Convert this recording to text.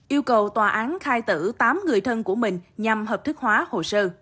yêu cầu tòa án khai tử tám người thân của mình nhằm hợp thức hóa hồ sơ